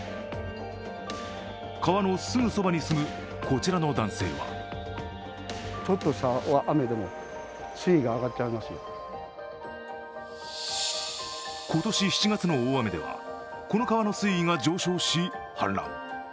川のすぐそばに住むこちらの男性は今年７月の大雨ではこの川の水位が上昇し、氾濫。